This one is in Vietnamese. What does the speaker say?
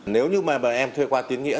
nếu như mà bọn em thuê qua tín nghĩa